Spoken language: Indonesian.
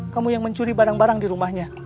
kamu yang mencuri barang barang di rumahnya